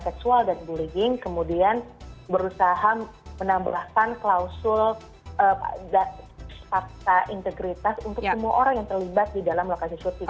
seksual dan bullying kemudian berusaha menambahkan klausul fakta integritas untuk semua orang yang terlibat di dalam lokasi syuting